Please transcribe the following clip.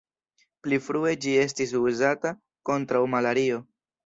Pli frue ĝi estis uzata kontraŭ malario.